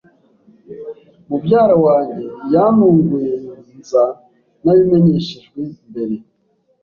Mubyara wanjye yantunguye nza ntabimenyeshejwe mbere.